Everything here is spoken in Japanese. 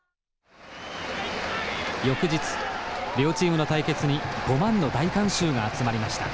翌日両チームの対決に５万の大観衆が集まりました。